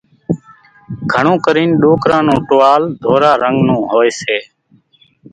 گھڻون ڪرينَ ڏوڪران نون ٽووال ڌورا رنڳ نون هوئيَ سي۔